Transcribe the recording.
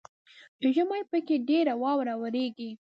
چې ژمي پکښې ډیره واوره اوریږي.